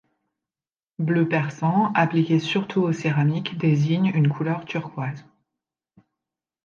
Bleu persan, appliqué surtout aux céramiques, désigne une couleur turquoise.